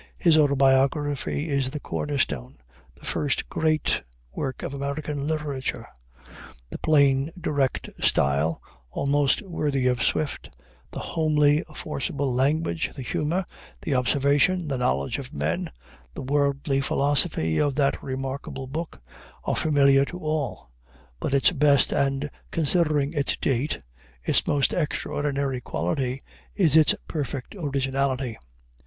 His autobiography is the corner stone, the first great work of American literature. The plain, direct style, almost worthy of Swift, the homely, forcible language, the humor, the observation, the knowledge of men, the worldly philosophy of that remarkable book, are familiar to all; but its best and, considering its date, its most extraordinary quality is its perfect originality.